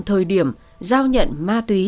thời điểm giao nhận ma túy